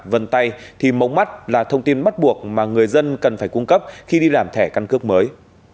vần tay thì mống mắt là thông tin bắt buộc mà người dân cần phải cung cấp khi đi làm thẻ căn cước mới